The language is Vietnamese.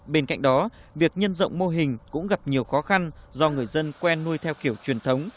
bên cạnh đó việc nhân rộng mô hình cũng gặp nhiều khó khăn do người dân quen nuôi theo kiểu truyền thống